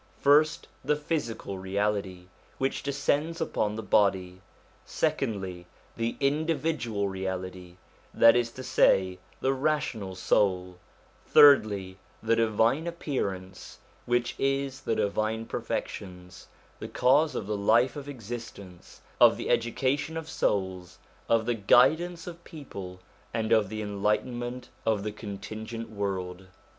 First, the physical reality, which depends upon the body; secondly, the individual reality, that is to say, the rational soul; thirdly, the divine appearance, which is the divine perfections, the cause of the life of existence, of the education of souls, of the guidance of people, and of the enlightenment of the contingent world.